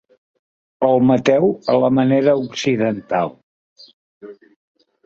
El mateu a la manera occidental.